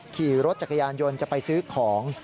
ขี่รถจักรยานยนต์จะไปซื้อของ